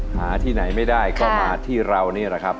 หาที่ไหนไม่ได้ก็มาที่เรานี่แหละครับ